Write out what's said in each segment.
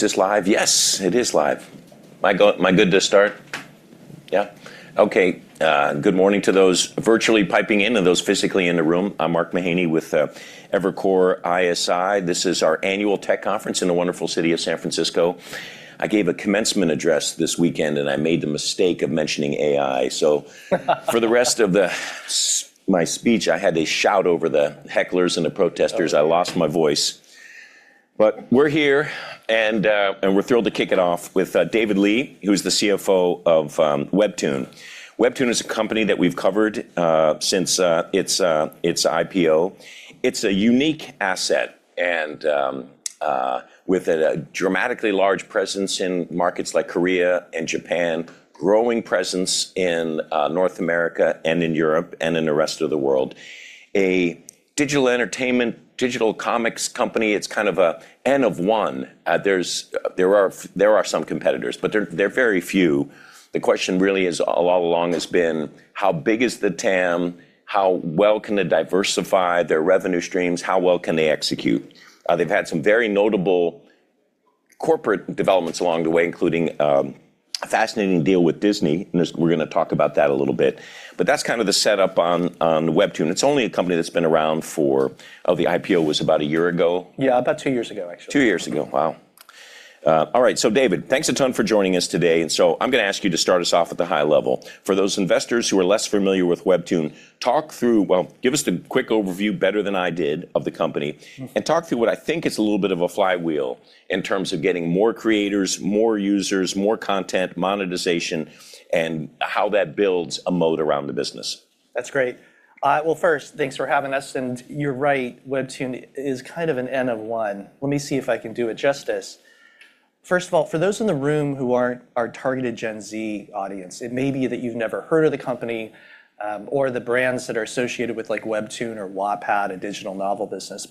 Good morning to those virtually piping in and those physically in the room. I'm Mark Mahaney with Evercore ISI. This is our annual tech conference in the wonderful city of San Francisco. I gave a commencement address this weekend and I made the mistake of mentioning AI. For the rest of my speech, I had to shout over the hecklers and the protesters. Okay. I lost my voice. We're here, and we're thrilled to kick it off with David Lee, who's the CFO of WEBTOON. WEBTOON is a company that we've covered since its IPO. It's a unique asset, with a dramatically large presence in markets like Korea and Japan, growing presence in North America and in Europe and in the rest of the world. A digital entertainment, digital comics company, it's kind of a N of one. There are some competitors, they're very few. The question really all along has been how big is the TAM? How well can they diversify their revenue streams? How well can they execute? They've had some very notable corporate developments along the way, including a fascinating deal with Disney, we're going to talk about that a little bit. That's kind of the setup on WEBTOON. It's only a company that's been around for the IPO was about a year ago. Yeah, about two years ago, actually. Two years ago. Wow. David, thanks a ton for joining us today, and so I'm going to ask you to start us off at the high level. For those investors who are less familiar with WEBTOON, give us the quick overview better than I did of the company. Talk through what I think is a little bit of a flywheel in terms of getting more creators, more users, more content, monetization, and how that builds a moat around the business. That's great. First, thanks for having us, and you're right, WEBTOON is kind of an N of one. Let me see if I can do it justice. First of all, for those in the room who aren't our targeted Gen Z audience, it may be that you've never heard of the company, or the brands that are associated with WEBTOON or Wattpad and digital novel business.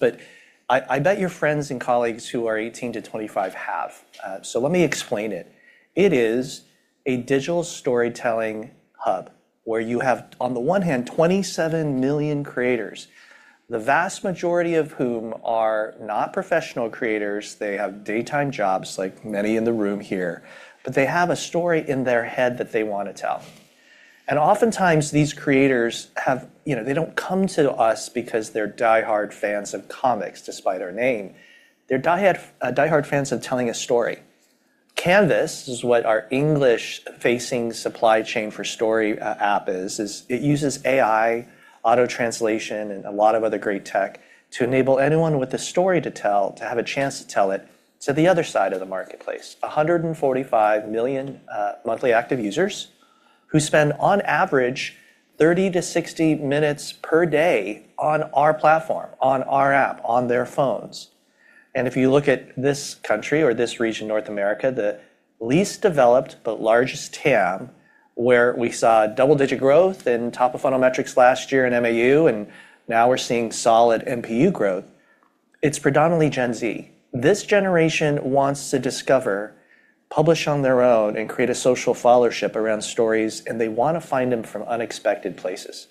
I bet your friends and colleagues who are 18 to 25 have. Let me explain it. It is a digital storytelling hub where you have, on the one hand, 27 million creators, the vast majority of whom are not professional creators. They have daytime jobs like many in the room here, but they have a story in their head that they want to tell. Oftentimes, these creators, they don't come to us because they're diehard fans of comics, despite our name. They're diehard fans of telling a story. CANVAS is what our English-facing supply chain for story app is. It uses AI, auto translation, and a lot of other great tech to enable anyone with a story to tell to have a chance to tell it to the other side of the marketplace. 145 million monthly active users who spend, on average, 30-60 minutes per day on our platform, on our app, on their phones. If you look at this country or this region, North America, the least developed but largest TAM, where we saw double-digit growth in top-of-funnel metrics last year in MAU, and now we're seeing solid MPU growth. It's predominantly Gen Z. This generation wants to discover, publish on their own, and create a social followership around stories, and they want to find them from unexpected places.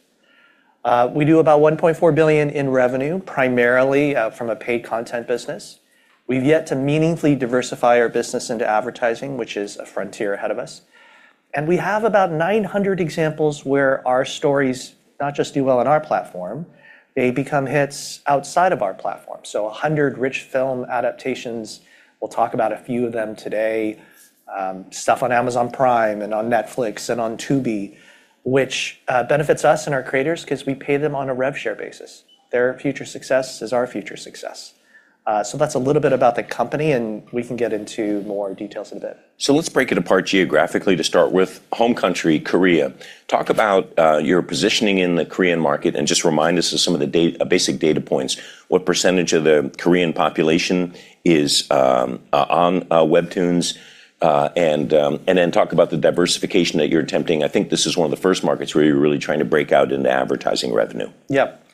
We do about $1.4 billion in revenue, primarily from a paid content business. We've yet to meaningfully diversify our business into advertising, which is a frontier ahead of us. We have about 900 examples where our stories not just do well on our platform, they become hits outside of our platform. 100 rich film adaptations, we'll talk about a few of them today. Stuff on Amazon Prime, and on Netflix, and on Tubi, which benefits us and our creators because we pay them on a rev share basis. Their future success is our future success. That's a little bit about the company, and we can get into more details in a bit. Let's break it apart geographically to start with. Home country, Korea. Talk about your positioning in the Korean market and just remind us of some of the basic data points. What percentage of the Korean population is on WEBTOON? Then talk about the diversification that you're attempting. I think this is one of the first markets where you're really trying to break out into advertising revenue. Yep.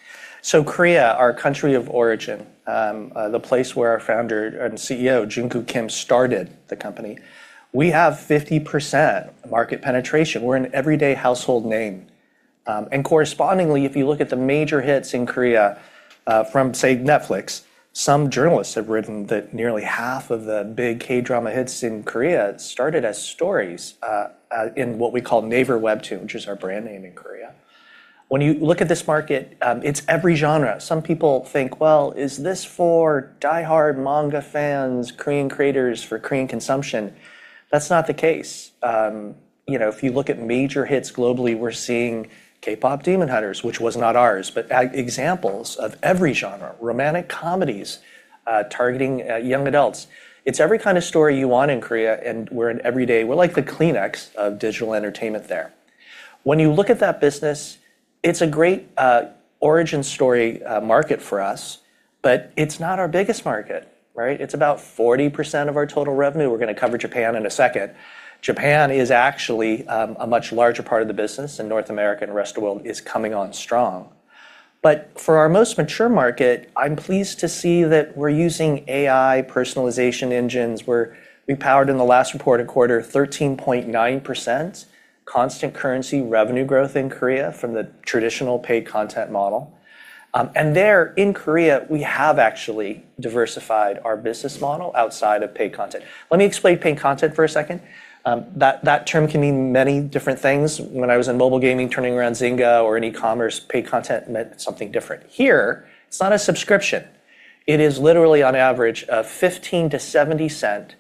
Korea, our country of origin, the place where our founder and CEO, Junkoo Kim, started the company, we have 50% market penetration. We're an everyday household name. Correspondingly, if you look at the major hits in Korea, from, say, Netflix, some journalists have written that nearly half of the big K-drama hits in Korea started as stories in what we call Naver WEBTOON, which is our brand name in Korea. When you look at this market, it's every genre. Some people think, well, is this for diehard manga fans, Korean creators for Korean consumption? That's not the case. If you look at major hits globally, we're seeing K-pop, "Demon Hunters," which was not ours, but examples of every genre. Romantic comedies targeting young adults. It's every kind of story you want in Korea, and we're like the Kleenex of digital entertainment there. When you look at that business, it's a great origin story market for us, but it's not our biggest market. It's about 40% of our total revenue. We're going to cover Japan in a second. Japan is actually a much larger part of the business, and North America and the rest of world is coming on strong. For our most mature market, I'm pleased to see that we're using AI personalization engines. We powered in the last reported quarter, 13.9% constant currency revenue growth in Korea from the traditional paid content model. There, in Korea, we have actually diversified our business model outside of paid content. Let me explain paid content for a second. That term can mean many different things. When I was in mobile gaming, turning around Zynga or in e-commerce, paid content meant something different. Here, it's not a subscription. It is literally on average a $0.15-$0.70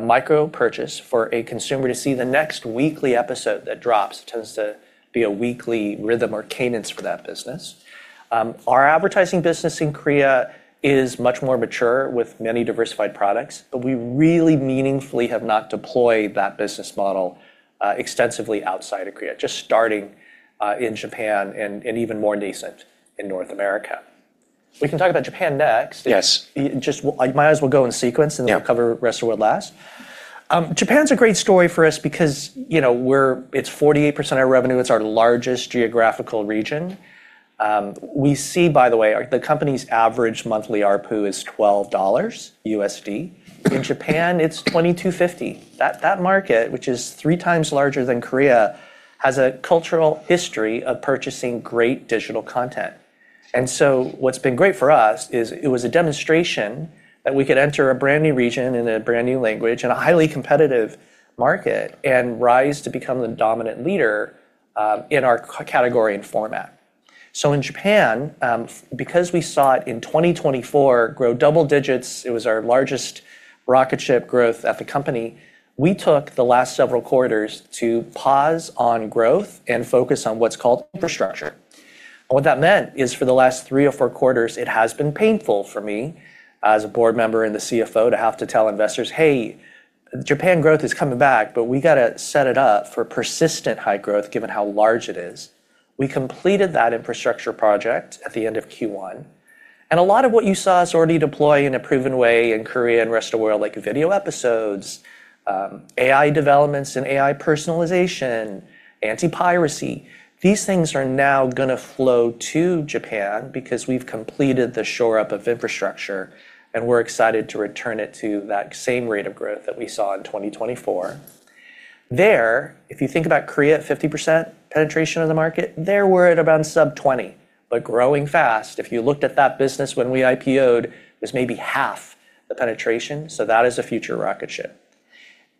micro purchase for a consumer to see the next weekly episode that drops. It tends to be a weekly rhythm or cadence for that business. Our advertising business in Korea is much more mature with many diversified products, but we really meaningfully have not deployed that business model extensively outside of Korea. Just starting in Japan and even more nascent in North America. We can talk about Japan next. Yes. Just might as well go in sequence. Yeah. We'll cover rest of world last. Japan's a great story for us because it's 48% of our revenue. It's our largest geographical region. We see, by the way, the company's average monthly ARPU is $12. In Japan, it's $22.50. That market, which is three times larger than Korea, has a cultural history of purchasing great digital content. What's been great for us is it was a demonstration that we could enter a brand-new region in a brand-new language in a highly competitive market and rise to become the dominant leader in our category and format. In Japan, because we saw it in 2024 grow double digits, it was our largest rocket ship growth at the company, we took the last several quarters to pause on growth and focus on what's called infrastructure. What that meant is for the last three or four quarters, it has been painful for me as a board member and the CFO to have to tell investors, "Hey, Japan growth is coming back, but we got to set it up for persistent high growth given how large it is." We completed that infrastructure project at the end of Q1, and a lot of what you saw us already deploy in a proven way in Korea and rest of the world, like video episodes, AI developments and AI personalization, anti-piracy, these things are now going to flow to Japan because we've completed the shore up of infrastructure, and we're excited to return it to that same rate of growth that we saw in 2024. There, if you think about Korea at 50% penetration of the market, there we're at around sub-20, but growing fast. If you looked at that business when we IPO'd, it was maybe half the penetration. That is a future rocket ship.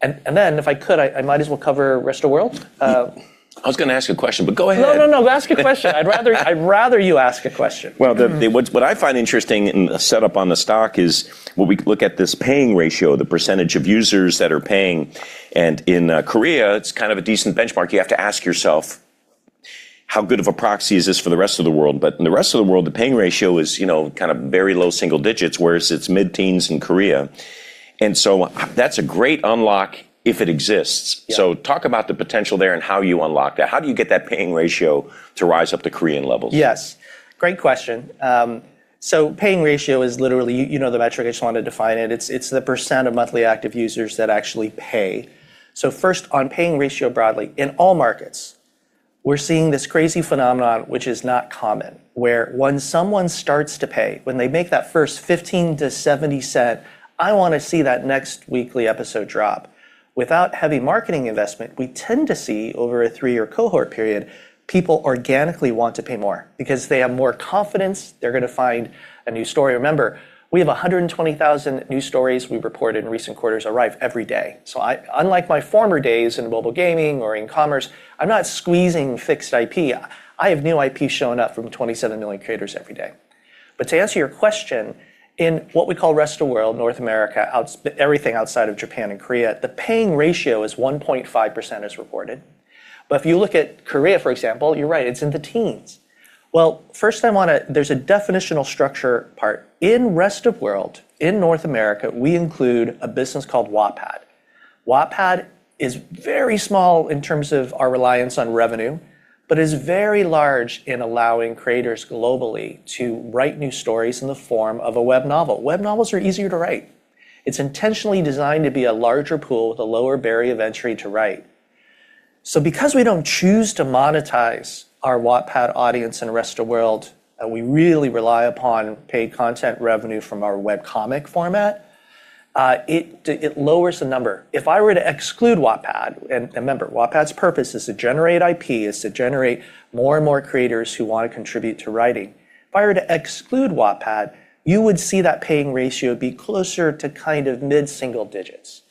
If I could, I might as well cover rest of world. I was going to ask you a question, but go ahead. No, no. Ask a question. I'd rather you ask a question. What I find interesting in the setup on the stock is when we look at this paying ratio, the percentage of users that are paying. In Korea, it's kind of a decent benchmark. You have to ask yourself how good of a proxy is this for the rest of the world? In the rest of the world, the paying ratio is very low single digits, whereas it's mid-teens in Korea. That's a great unlock if it exists. Yeah. Talk about the potential there and how you unlock that. How do you get that paying ratio to rise up to Korean levels? Yes. Great question. Paying ratio is literally the metric. I just want to define it. It's the percent of monthly active users that actually pay. First, on paying ratio broadly, in all markets, we're seeing this crazy phenomenon, which is not common, where when someone starts to pay, when they make that first $0.15-$0.70, I want to see that next weekly episode drop. Without heavy marketing investment, we tend to see over a three-year cohort period, people organically want to pay more because they have more confidence they're going to find a new story. Remember, we have 120,000 new stories we reported in recent quarters arrive every day. Unlike my former days in mobile gaming or in commerce, I'm not squeezing fixed IP. I have new IP showing up from 27 million creators every day. To answer your question, in what we call ROW, North America, everything outside of Japan and Korea, the paying ratio is 1.5% as reported. If you look at Korea, for example, you're right, it's in the teens. Well, first There's a definitional structure part. In ROW, in North America, we include a business called Wattpad. Wattpad is very small in terms of our reliance on revenue, but is very large in allowing creators globally to write new stories in the form of a web novel. Web novels are easier to write. It's intentionally designed to be a larger pool with a lower barrier of entry to write. Because we don't choose to monetize our Wattpad audience in ROW, and we really rely upon paid content revenue from our web comic format, it lowers the number. If I were to exclude Wattpad, and remember, Wattpad's purpose is to generate IP, is to generate more and more creators who want to contribute to writing. If I were to exclude Wattpad, you would see that paying ratio be closer to mid-single digits.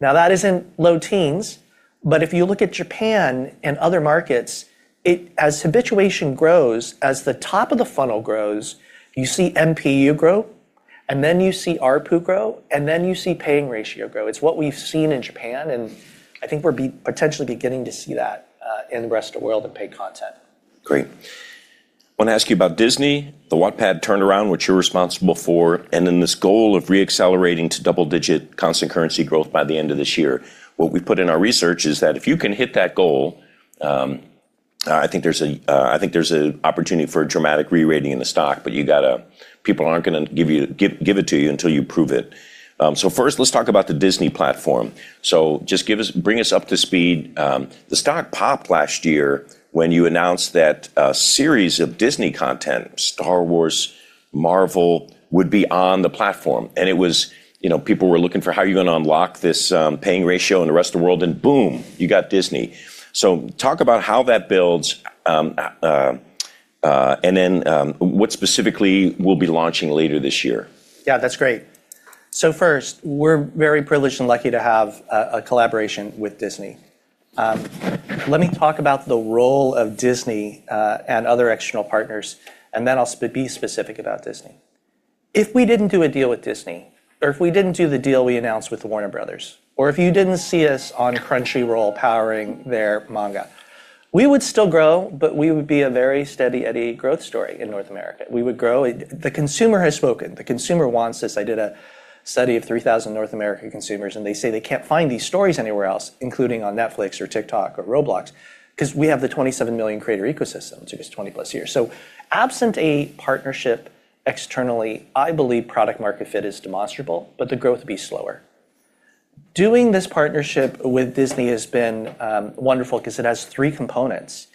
That is in low teens. If you look at Japan and other markets, as habituation grows, as the top of the funnel grows, you see MPU grow. Then you see ARPU grow. Then you see paying ratio grow. It's what we've seen in Japan. I think we're potentially beginning to see that in the rest of world in paid content. Great. I want to ask you about Disney, the Wattpad turnaround, which you're responsible for, and then this goal of re-accelerating to double-digit constant currency growth by the end of this year. What we've put in our research is that if you can hit that goal, I think there's an opportunity for a dramatic re-rating in the stock. People aren't going to give it to you until you prove it. First, let's talk about the Disney platform. Just bring us up to speed. The stock popped last year when you announced that a series of Disney content, Star Wars, Marvel, would be on the platform. People were looking for how are you going to unlock this paying ratio in the rest of the world, and boom, you got Disney. Talk about how that builds, and then what specifically will be launching later this year. Yeah, that's great. First, we're very privileged and lucky to have a collaboration with Disney. Let me talk about the role of Disney and other external partners, and then I'll be specific about Disney. If we didn't do a deal with Disney, or if we didn't do the deal we announced with Warner Bros., or if you didn't see us on Crunchyroll powering their manga, we would still grow, but we would be a very steady Eddie growth story in North America. We would grow. The consumer has spoken. The consumer wants this. I did a study of 3,000 North American consumers, and they say they can't find these stories anywhere else, including on Netflix or TikTok or Roblox, because we have the 27 million creator ecosystem. Just 20+ years. Absent a partnership externally, I believe product market fit is demonstrable, but the growth would be slower. Doing this partnership with Disney has been wonderful because it has three components.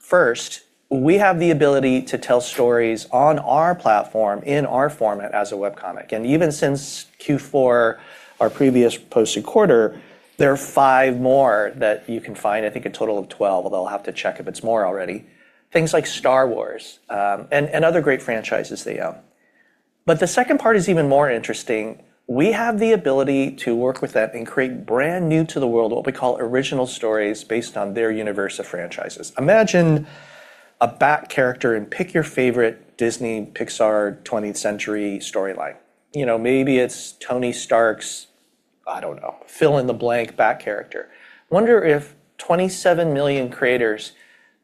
First, we have the ability to tell stories on our platform in our format as a web comic. Even since Q4, our previous posted quarter, there are five more that you can find. I think a total of 12, although I'll have to check if it's more already. Things like Star Wars, and other great franchises they own. The second part is even more interesting. We have the ability to work with them and create brand new to the world, what we call original stories based on their universe of franchises. Imagine a bat character and pick your favorite Disney, Pixar, 20th Century storyline. Maybe it's Tony Stark's, I don't know, fill-in-the-blank bat character. Wonder if 27 million creators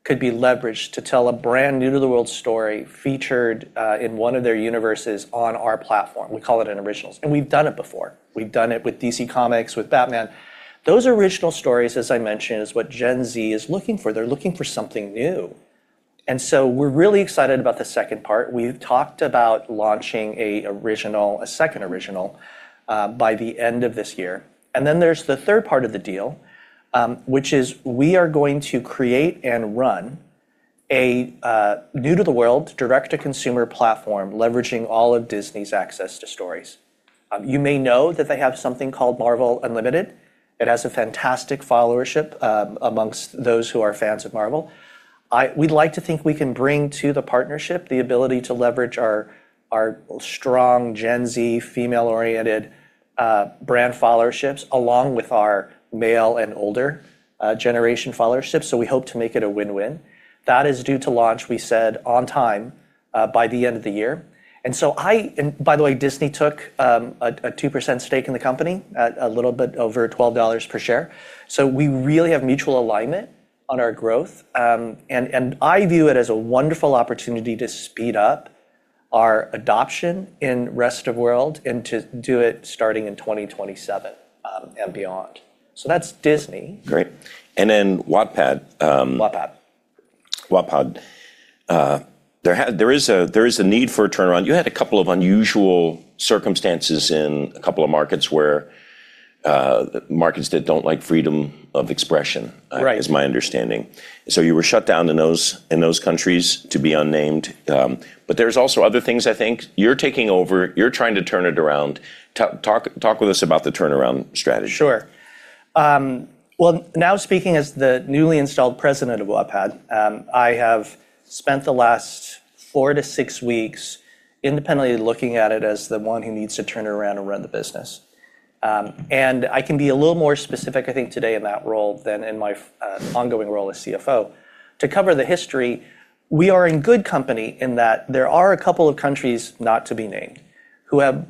could be leveraged to tell a brand new to the world story featured in one of their universes on our platform. We call it an Originals, we've done it before. We've done it with DC Comics, with Batman. Those original stories, as I mentioned, is what Gen Z is looking for. They're looking for something new. We're really excited about the second part. We've talked about launching a second Original by the end of this year. Then there's the third part of the deal, which is we are going to create and run a new to the world direct-to-consumer platform leveraging all of Disney's access to stories. You may know that they have something called Marvel Unlimited. It has a fantastic followership amongst those who are fans of Marvel. We'd like to think we can bring to the partnership the ability to leverage our strong Gen Z female-oriented brand followerships along with our male and older generation followership. We hope to make it a win-win. That is due to launch, we said, on time by the end of the year. By the way, Disney took a 2% stake in the company at a little bit over $12 per share. We really have mutual alignment on our growth. I view it as a wonderful opportunity to speed up our adoption in rest of world and to do it starting in 2027 and beyond. That's Disney. Great. Wattpad. Wattpad. Wattpad. There is a need for a turnaround. You had a couple of unusual circumstances in a couple of markets where markets that don't like freedom of expression- Right. Is my understanding. You were shut down in those countries to be unnamed. There's also other things I think you're taking over. You're trying to turn it around. Talk with us about the turnaround strategy. Sure. Well, now speaking as the newly installed president of Wattpad, I have spent the last four to six weeks independently looking at it as the one who needs to turn it around and run the business. I can be a little more specific, I think, today in that role than in my ongoing role as CFO. To cover the history, we are in good company in that there are a couple of countries not to be named who have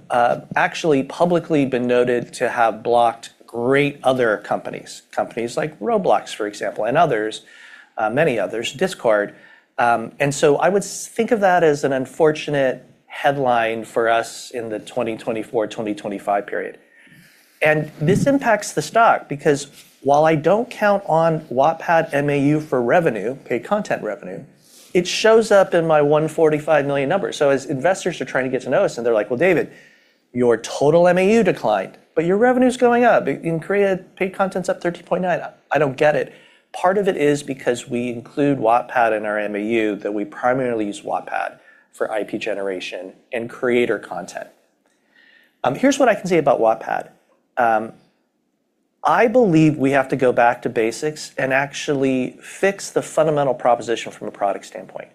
actually publicly been noted to have blocked great other companies. Companies like Roblox, for example, and others, many others, Discord. I would think of that as an unfortunate headline for us in the 2024-2025 period. This impacts the stock because while I don't count on Wattpad MAU for revenue, paid content revenue, it shows up in my $145 million number. As investors are trying to get to know us and they're like, "Well, David, your total MAU declined, but your revenue's going up. In Korea, paid content's up 13.9%. I don't get it." Part of it is because we include Wattpad in our MAU that we primarily use Wattpad for IP generation and creator content. Here's what I can say about Wattpad. I believe we have to go back to basics and actually fix the fundamental proposition from a product standpoint.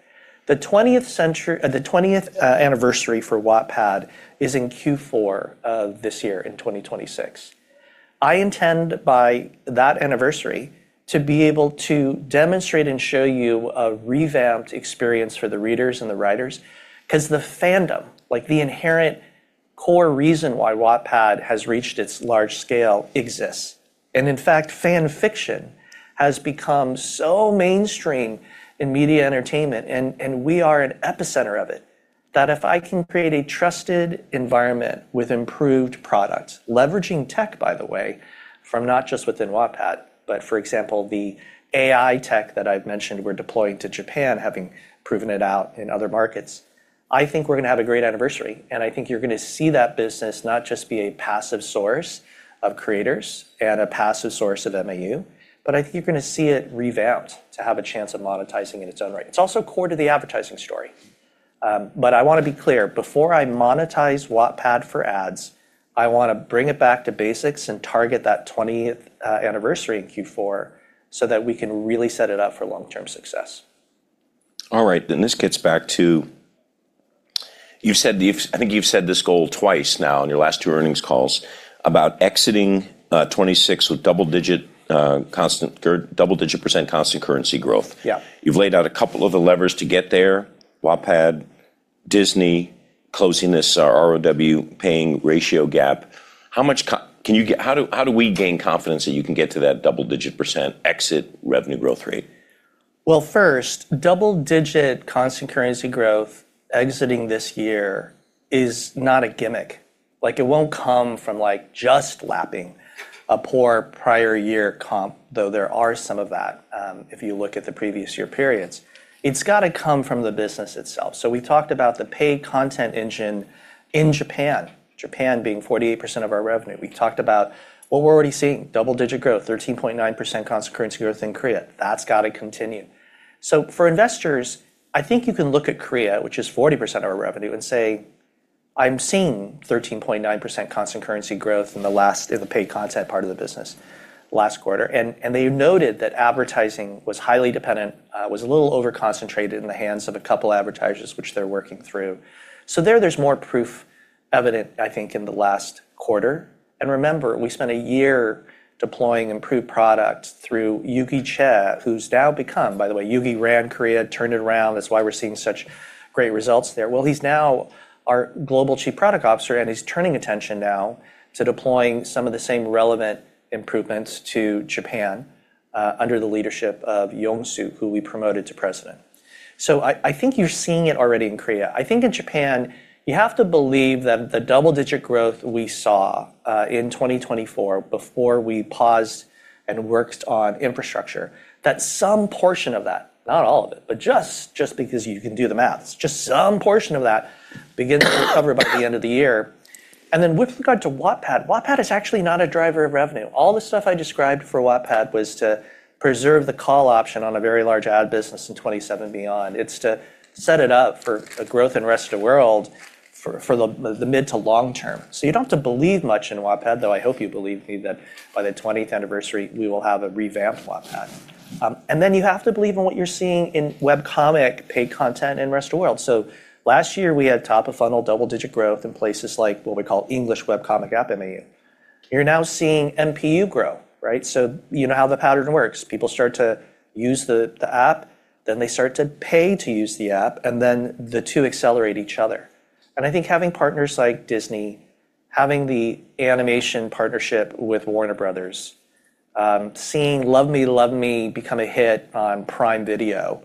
The 20th anniversary for Wattpad is in Q4 of this year in 2026. I intend by that anniversary to be able to demonstrate and show you a revamped experience for the readers and the writers because the fandom, like the inherent core reason why Wattpad has reached its large scale exists. In fact, fan fiction has become so mainstream in media entertainment, and we are an epicenter of it, that if I can create a trusted environment with improved products, leveraging tech, by the way, from not just within Wattpad, but for example, the AI tech that I've mentioned we're deploying to Japan, having proven it out in other markets. I think we're going to have a great anniversary, and I think you're going to see that business not just be a passive source of creators and a passive source of MAU, but I think you're going to see it revamped to have a chance of monetizing in its own right. It's also core to the advertising story. I want to be clear, before I monetize Wattpad for ads, I want to bring it back to basics and target that 20th anniversary in Q4 so that we can really set it up for long-term success. All right, this gets back to, I think you've said this goal twice now on your last two earnings calls about exiting 2026 with double-digit percent constant currency growth. Yeah. You've laid out a couple of the levers to get there, Wattpad, Disney, closing this ROW paying ratio gap. How do we gain confidence that you can get to that double-digit percent exit revenue growth rate? Well, first, double-digit constant currency growth exiting this year is not a gimmick. It won't come from just lapping a poor prior year comp, though there are some of that if you look at the previous year periods. It's got to come from the business itself. We talked about the paid content engine in Japan being 48% of our revenue. We talked about what we're already seeing, double-digit growth, 13.9% constant currency growth in Korea. That's got to continue. For investors, I think you can look at Korea, which is 40% of our revenue, and say, "I'm seeing 13.9% constant currency growth in the paid content part of the business last quarter." They noted that advertising was highly dependent, was a little over-concentrated in the hands of a couple advertisers, which they're working through. There, there's more proof evident, I think, in the last quarter. Remember, we spent a year deploying improved product through Yuki Chae. By the way, Yuki ran Korea, turned it around. That's why we're seeing such great results there. He's now our global chief product officer, and he's turning attention now to deploying some of the same relevant improvements to Japan under the leadership of Yongsoo, who we promoted to president. I think you're seeing it already in Korea. I think in Japan, you have to believe that the double-digit growth we saw in 2024, before we paused and worked on infrastructure, that some portion of that, not all of it, but just because you can do the maths, just some portion of that begins to recover by the end of the year. With regard to Wattpad is actually not a driver of revenue. All the stuff I described for Wattpad was to preserve the call option on a very large ad business in 2027 beyond. It's to set it up for a growth in rest of world for the mid to long term. You don't have to believe much in Wattpad, though I hope you believe me that by the 20th anniversary, we will have a revamped Wattpad. You have to believe in what you're seeing in webcomic paid content in rest of world. Last year, we had top-of-funnel double-digit growth in places like what we call English webcomic MAU. You're now seeing MPU grow, right? You know how the pattern works. People start to use the app, then they start to pay to use the app, and then the two accelerate each other. I think having partners like Disney, having the animation partnership with Warner Bros., seeing "Love Me Love Me" become a hit on Prime Video.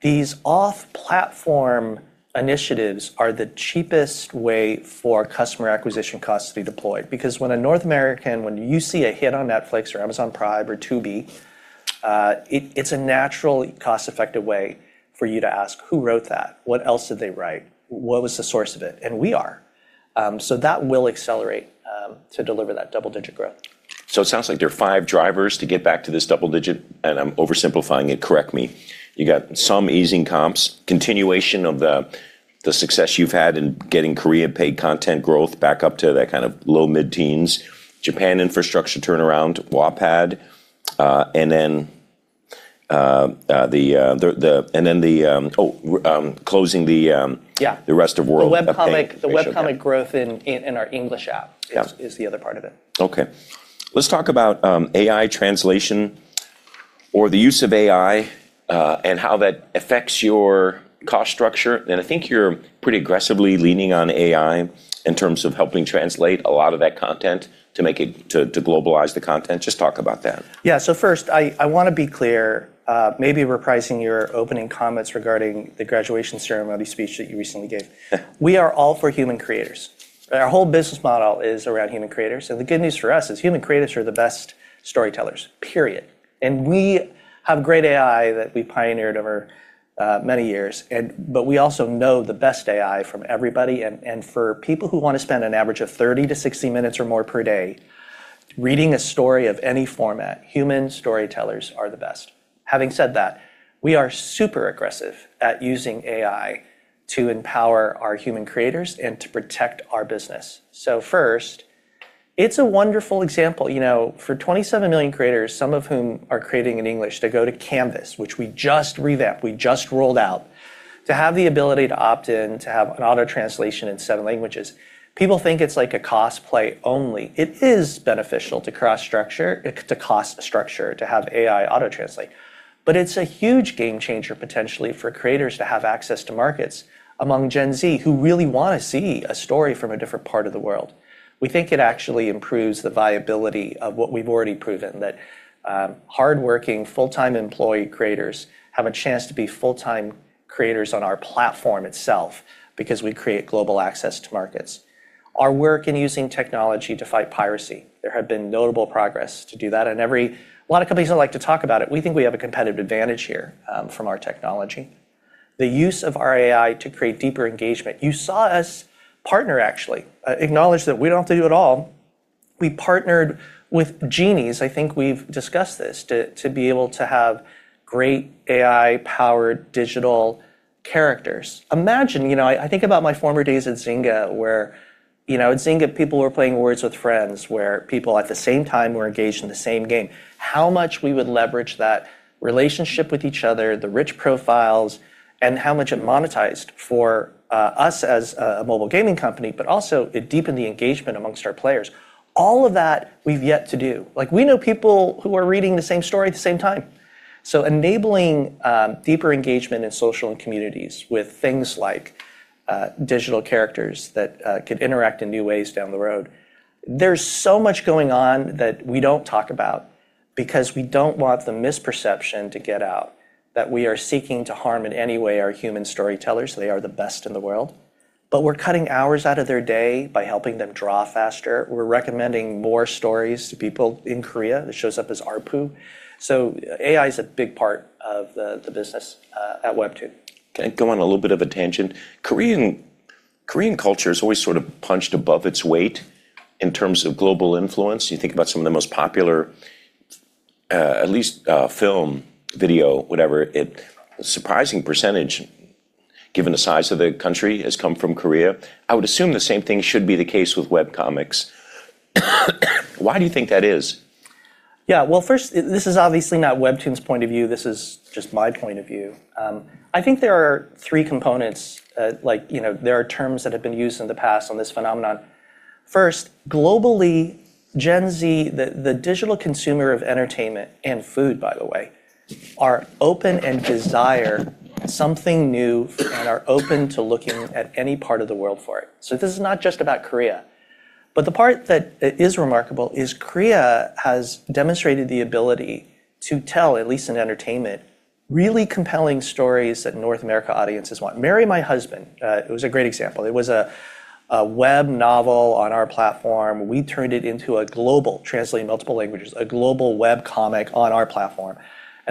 These off-platform initiatives are the cheapest way for customer acquisition costs to be deployed. When a North American, when you see a hit on Netflix or Amazon Prime or Tubi, it's a natural, cost-effective way for you to ask, "Who wrote that? What else did they write? What was the source of it?" We are. That will accelerate to deliver that double-digit growth. It sounds like there are five drivers to get back to this double digit, and I'm oversimplifying it, correct me. You got some easing comps, continuation of the success you've had in getting Korea paid content growth back up to that kind of low mid-teens, Japan infrastructure turnaround, Wattpad, and then closing the- Yeah. The rest of world. The webcomic growth in our English app- Yeah Is the other part of it. Okay. Let's talk about AI translation or the use of AI, and how that affects your cost structure. I think you're pretty aggressively leaning on AI in terms of helping translate a lot of that content to globalize the content. Just talk about that. First, I want to be clear, maybe reprising your opening comments regarding the graduation ceremony speech that you recently gave. We are all for human creators. Our whole business model is around human creators. The good news for us is human creators are the best storytellers, period. We have great AI that we pioneered over many years. We also know the best AI from everybody, and for people who want to spend an average of 30-60 minutes or more per day reading a story of any format, human storytellers are the best. Having said that, we are super aggressive at using AI to empower our human creators and to protect our business. First, it's a wonderful example. For 27 million creators, some of whom are creating in English, to go to CANVAS, which we just revamped, we just rolled out. To have the ability to opt in, to have an auto-translation in seven languages. People think it's like a cost play only. It is beneficial to cost structure to have AI auto-translate. It's a huge game changer, potentially, for creators to have access to markets among Gen Z who really want to see a story from a different part of the world. We think it actually improves the viability of what we've already proven, that hardworking, full-time employee creators have a chance to be full-time creators on our platform itself because we create global access to markets. Our work in using technology to fight piracy, there has been notable progress to do that, and a lot of companies don't like to talk about it. We think we have a competitive advantage here from our technology. The use of our AI to create deeper engagement. You saw us partner, actually, acknowledge that we don't have to do it all. We partnered with Genies, I think we've discussed this, to be able to have great AI-powered digital characters. Imagine, I think about my former days at Zynga. At Zynga, people were playing Words With Friends, where people at the same time were engaged in the same game. How much we would leverage that relationship with each other, the rich profiles, and how much it monetized for us as a mobile gaming company, but also it deepened the engagement amongst our players. All of that we've yet to do. Like we know people who are reading the same story at the same time. Enabling deeper engagement in social and communities with things like digital characters that could interact in new ways down the road. There's so much going on that we don't talk about because we don't want the misperception to get out that we are seeking to harm in any way our human storytellers. They are the best in the world. We're cutting hours out of their day by helping them draw faster. We're recommending more stories to people in Korea. It shows up as ARPU. AI is a big part of the business at WEBTOON. Okay. Go on a little bit of a tangent. Korean culture has always sort of punched above its weight in terms of global influence. You think about some of the most popular, at least film, video, whatever, a surprising percentage, given the size of the country, has come from Korea. I would assume the same thing should be the case with web comics. Why do you think that is? Well, first, this is obviously not WEBTOON's point of view, this is just my point of view. I think there are three components. There are terms that have been used in the past on this phenomenon. First, globally, Gen Z, the digital consumer of entertainment and food, by the way, are open and desire something new, and are open to looking at any part of the world for it. This is not just about Korea. The part that is remarkable is Korea has demonstrated the ability to tell, at least in entertainment, really compelling stories that North America audiences want. Marry My Husband was a great example. It was a web novel on our platform. We turned it into a global, translated multiple languages, a global web comic on our platform.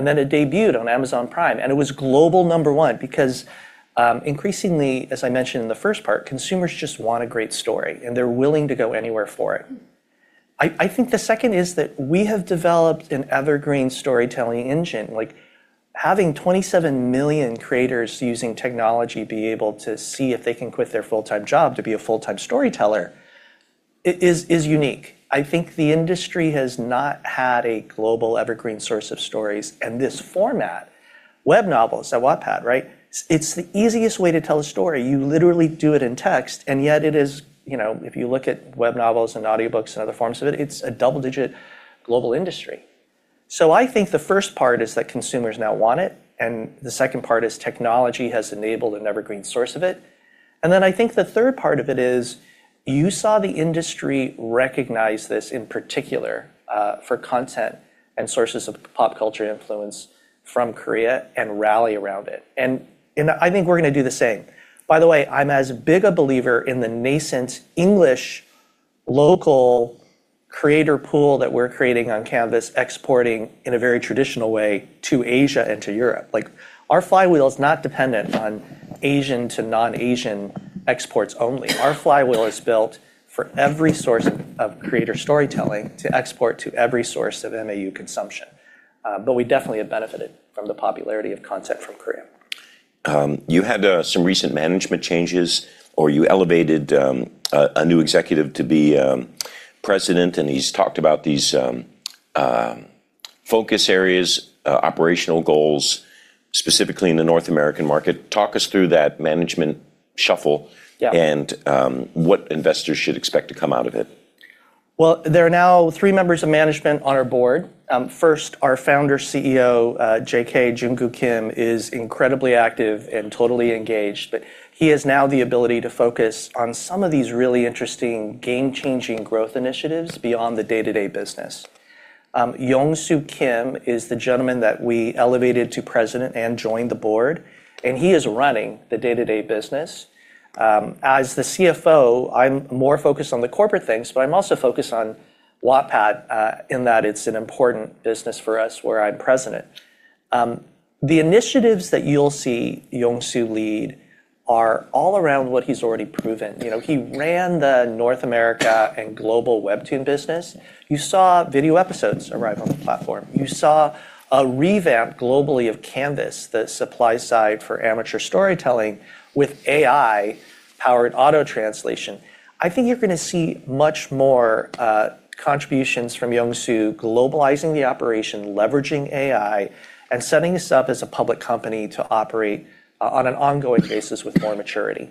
Then it debuted on Amazon Prime, and it was global number one because increasingly, as I mentioned in the first part, consumers just want a great story, and they're willing to go anywhere for it. I think the second is that we have developed an evergreen storytelling engine. Like having 27 million creators using technology be able to see if they can quit their full-time job to be a full-time storyteller is unique. I think the industry has not had a global evergreen source of stories in this format. Web novels at Wattpad, right? It's the easiest way to tell a story. You literally do it in text, and yet it is, if you look at web novels and audiobooks and other forms of it's a double-digit global industry. I think the first part is that consumers now want it, the second part is technology has enabled an evergreen source of it. I think the third part of it is you saw the industry recognize this in particular, for content and sources of pop culture influence from Korea, and rally around it. I think we're going to do the same. By the way, I'm as big a believer in the nascent English local creator pool that we're creating on CANVAS exporting in a very traditional way to Asia and to Europe. Our flywheel is not dependent on Asian to non-Asian exports only. Our flywheel is built for every source of creator storytelling to export to every source of MAU consumption. We definitely have benefited from the popularity of content from Korea. You had some recent management changes, or you elevated a new executive to be president, and he's talked about these focus areas, operational goals, specifically in the North American market. Talk us through that management shuffle? Yeah. What investors should expect to come out of it. Well, there are now three members of management on our board. First, our founder, CEO, JK, Junkoo Kim, is incredibly active and totally engaged. He has now the ability to focus on some of these really interesting game-changing growth initiatives beyond the day-to-day business. Yongsoo Kim is the gentleman that we elevated to President and joined the board, and he is running the day-to-day business. As the CFO, I'm more focused on the corporate things, but I'm also focused on Wattpad, in that it's an important business for us where I'm President. The initiatives that you'll see Yongsoo lead are all around what he's already proven. He ran the North America and global WEBTOON business. You saw video episodes arrive on the platform. You saw a revamp globally of CANVAS, the supply side for amateur storytelling with AI-powered auto-translation. I think you're going to see much more contributions from Yongsoo globalizing the operation, leveraging AI, and setting us up as a public company to operate on an ongoing basis with more maturity.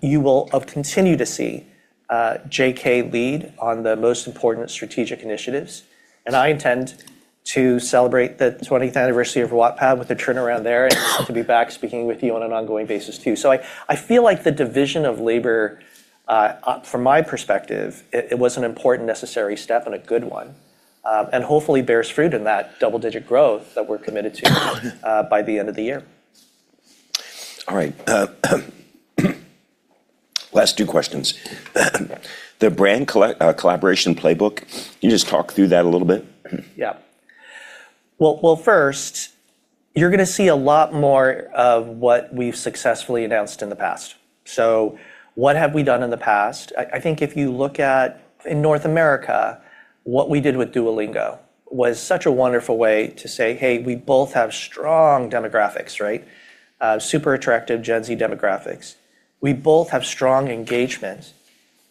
You will continue to see JK lead on the most important strategic initiatives, and I intend to celebrate the 20th anniversary of Wattpad with a turnaround there and to be back speaking with you on an ongoing basis, too. I feel like the division of labor, from my perspective, it was an important necessary step and a good one. Hopefully bears fruit in that double-digit growth that we're committed to by the end of the year. All right. Last two questions. The brand collaboration playbook, can you just talk through that a little bit? Yeah. Well, first, you're going to see a lot more of what we've successfully announced in the past. What have we done in the past? I think if you look at in North America. What we did with Duolingo was such a wonderful way to say, "Hey, we both have strong demographics," right? Super attractive Gen Z demographics. We both have strong engagement.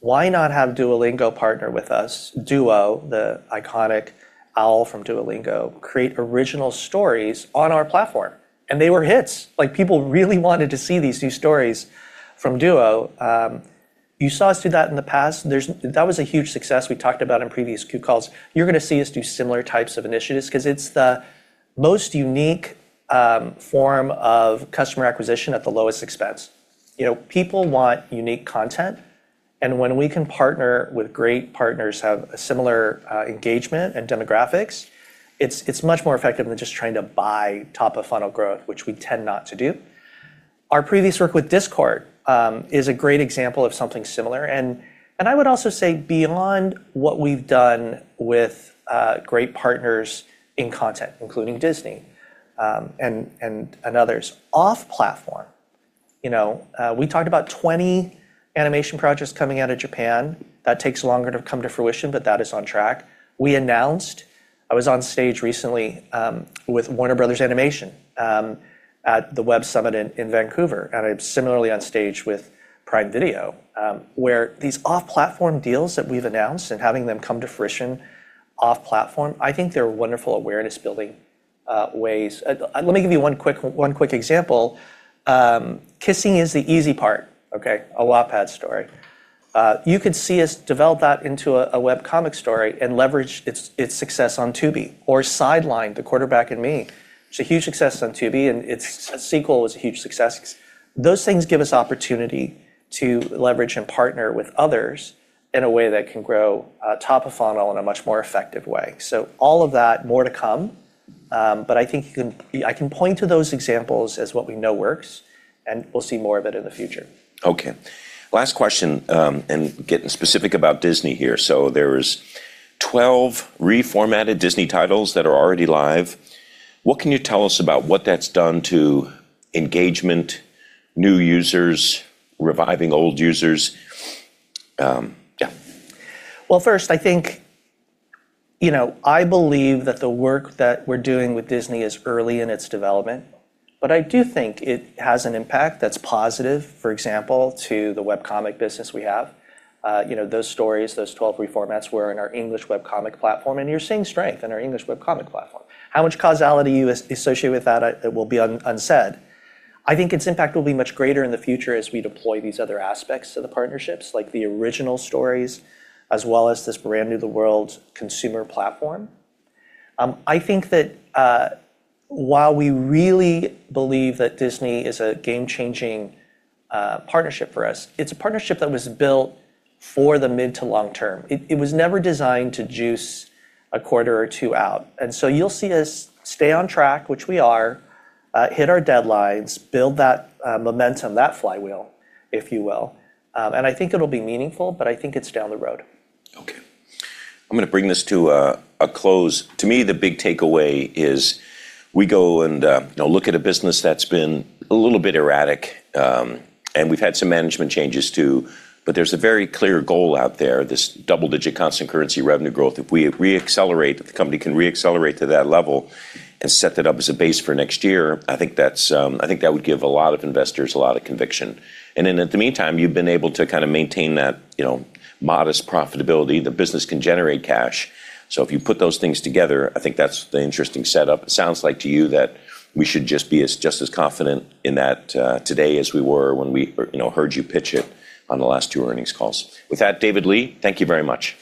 Why not have Duolingo partner with us, Duo, the iconic owl from Duolingo, create original stories on our platform? They were hits. People really wanted to see these new stories from Duo. You saw us do that in the past. That was a huge success we talked about in previous Q calls. You're going to see us do similar types of initiatives because it's the most unique form of customer acquisition at the lowest expense. People want unique content, and when we can partner with great partners, have a similar engagement and demographics, it's much more effective than just trying to buy top-of-funnel growth, which we tend not to do. Our previous work with Discord is a great example of something similar, and I would also say beyond what we've done with great partners in content, including Disney and others off-platform. We talked about 20 animation projects coming out of Japan. That takes longer to come to fruition, but that is on track. I was on stage recently with Warner Bros. Animation at the Web Summit in Vancouver, and I'm similarly on stage with Prime Video, where these off-platform deals that we've announced and having them come to fruition off-platform, I think they're wonderful awareness-building ways. Let me give you one quick example. Kissing Is the Easy Part, okay, a Wattpad story. You could see us develop that into a web comic story and leverage its success on Tubi. Sidelined: The Quarterback and Me, which is a huge success on Tubi, and its sequel was a huge success. Those things give us opportunity to leverage and partner with others in a way that can grow top of funnel in a much more effective way. All of that, more to come. I think I can point to those examples as what we know works, and we'll see more of it in the future. Okay. Last question, getting specific about Disney here. There's 12 reformatted Disney titles that are already live. What can you tell us about what that's done to engagement, new users, reviving old users? Yeah. First, I believe that the work that we're doing with Disney is early in its development, but I do think it has an impact that's positive, for example, to the WEBTOON business we have. Those stories, those 12 reformats were in our English WEBTOON platform, and you're seeing strength in our English WEBTOON platform. How much causality you associate with that will be unsaid. I think its impact will be much greater in the future as we deploy these other aspects to the partnerships, like the original stories, as well as this brand new to the world consumer platform. I think that while we really believe that Disney is a game-changing partnership for us, it's a partnership that was built for the mid to long term. It was never designed to juice a quarter or two out. You'll see us stay on track, which we are, hit our deadlines, build that momentum, that flywheel, if you will. I think it'll be meaningful, but I think it's down the road. Okay. I'm going to bring this to a close. To me, the big takeaway is we go and look at a business that's been a little bit erratic, and we've had some management changes, too. There's a very clear goal out there, this double-digit constant currency revenue growth. If we re-accelerate, if the company can re-accelerate to that level and set that up as a base for next year, I think that would give a lot of investors a lot of conviction. In the meantime, you've been able to kind of maintain that modest profitability. The business can generate cash. If you put those things together, I think that's the interesting setup. It sounds like to you that we should just be just as confident in that today as we were when we heard you pitch it on the last two earnings calls. With that, David Lee, thank you very much.